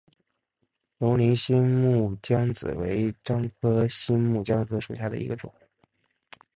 龙陵新木姜子为樟科新木姜子属下的一个种。